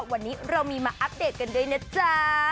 วันนี้เรามีมาอัปเดตกันด้วยนะจ๊ะ